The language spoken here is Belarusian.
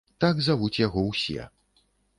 Так завуць яго ўсе.